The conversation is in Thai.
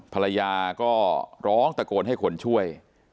ภรรยาก็ร้องตะโกนให้คนช่วย